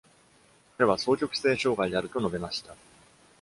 彼は双極性障害であると述べました。